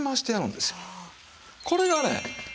これがね